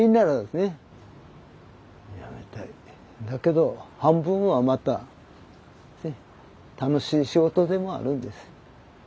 だけど半分はまたね楽しい仕事でもあるんです。